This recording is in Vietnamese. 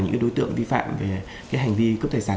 những đối tượng vi phạm về hành vi cướp tài sản